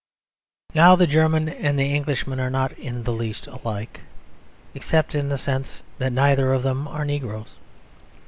Now the German and the Englishman are not in the least alike except in the sense that neither of them are negroes.